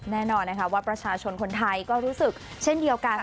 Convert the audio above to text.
แน่นอนนะคะว่าประชาชนคนไทยก็รู้สึกเช่นเดียวกัน